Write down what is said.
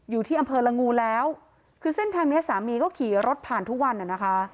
อยู่ที่อำเภอละงูแล้วคือเส้นทางเนี้ยสามีก็ขี่รถผ่านทุกวันน่ะนะคะ